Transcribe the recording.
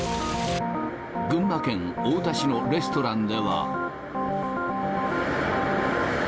群馬県太田市のレストランでは。